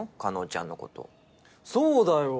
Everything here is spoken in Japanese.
叶ちゃんのことそうだよ